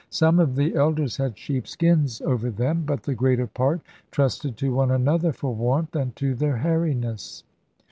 Some of the elders had sheepskins over them, but the greater part trusted to one another for warmth, and to their hairiness.